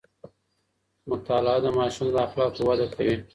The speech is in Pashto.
مطالعه د ماشوم د اخلاقو وده کوي.